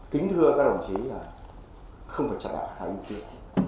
kính thưa các đồng chí không phải chặt hạ hay như kia